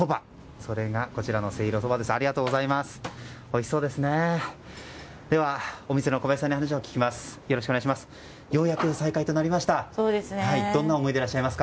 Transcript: それが、こちらのせいろそばです。